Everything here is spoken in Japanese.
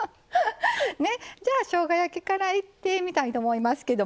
じゃあしょうが焼きからいってみたいと思いますけどもね。